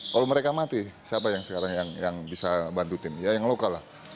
kalau mereka mati siapa yang sekarang yang bisa bantu tim ya yang luka lah